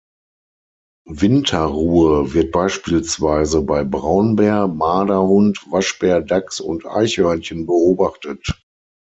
Winterruhe wird beispielsweise bei Braunbär, Marderhund, Waschbär, Dachs und Eichhörnchen beobachtet.